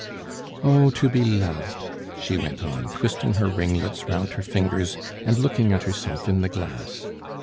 "Oh! to be loved!" she went on, twisting her ringlets round her fingers, and looking at herself in the glass.